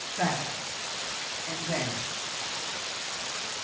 Saddle," and vanished.